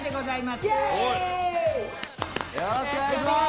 よろしくお願いします！